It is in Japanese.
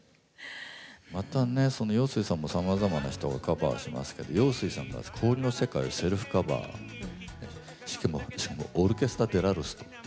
またね陽水さんもさまざまな人がカバーしますけど陽水さんが「氷の世界」をセルフカバーしかもオルケスタ・デ・ラ・ルスと。